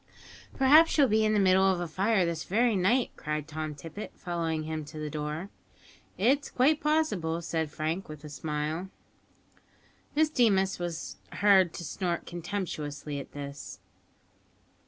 "Perhaps you'll be in the middle of a fire this very night," cried Tom Tippet, following him to the door. "It is quite possible," said Frank, with a smile. Miss Deemas was heard to snort contemptuously at this.